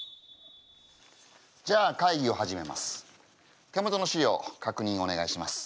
じゃあ会議を始めます。